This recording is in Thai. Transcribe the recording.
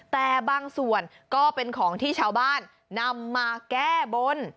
แต่บางส่วนก็เป็นของที่ชาวบ้านนำมาแก้บน